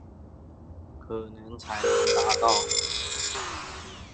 可能才能達到